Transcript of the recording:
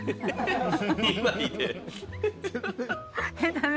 駄目？